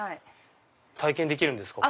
体験できるんですか？